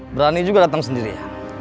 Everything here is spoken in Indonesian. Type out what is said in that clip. berani juga datang sendiri ya